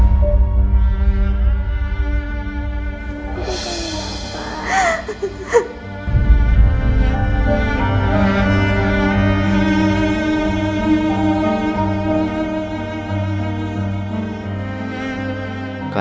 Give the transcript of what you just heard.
aku mau ketemu bapak